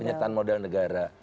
penyertaan modal negara